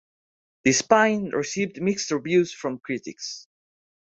"The Spine" received mixed reviews from critics.